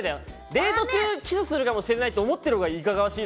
デート中キスするかもしれないと思ってるほうがいかがわしい。